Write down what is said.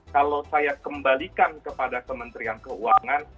kalau saya kembalikan kepada kementerian keuangan